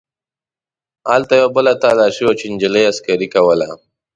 هلته یوه بله تلاشي وه چې نجلۍ عسکرې کوله.